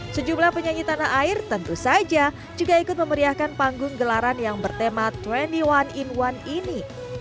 sejumlah penyanyi tanah air tentu saja juga ikut memeriahkan panggung gelaran yang bertema dua puluh satu in satu ini